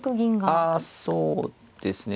あそうですね。